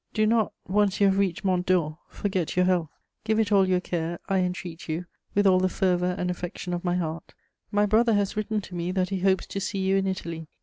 Do not, once you have reached Mont Dore, forget your health; give it all your care, I entreat you, with all the fervour and affection of my heart. My brother has written to me that he hopes to see you in Italy.